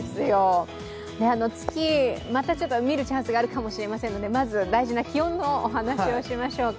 月、またちょっと見るチャンスがあると思いますのでまず、大事な気温のお話をしましょうか。